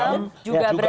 berantem juga berani